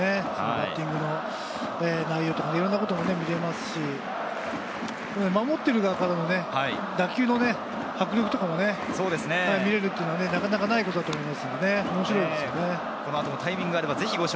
バッティングの内容とか、いろいろなものが見られますし、守っている側からも打球の迫力とかね、見られるというのはなかなかないことだと思いますので、面白いですよね。